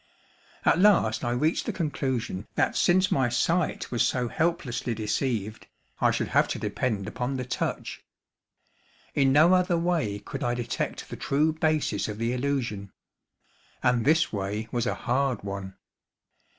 At last I reached the conclusion that since my sight was so helplessly deceived, I should have to depend upon the touch. In no other way could I detect the true basis of the illusion; and this way was a hard one.